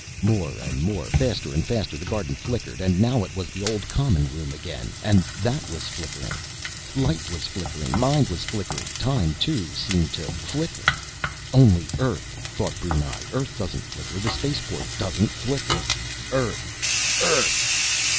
_ More and more, faster and faster, the garden flickered, and now it was the old common room again, and that was flickering. Light was flickering, mind was flickering, time, too, seemed to flicker.... Only Earth! thought Brunei. Earth doesn't flicker, the Spaceport doesn't flicker. Earth! EARTH!